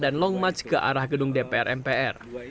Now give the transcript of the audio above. dan long match ke arah gedung dpr mpr